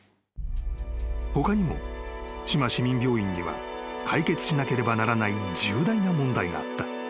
［他にも志摩市民病院には解決しなければならない重大な問題があった］